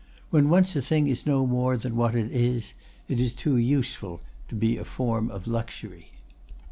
When once a thing is no more than what it is, it is too useful to be a form of luxury."